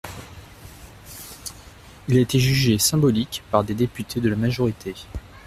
Il a été jugé symbolique par des députés de la majorité.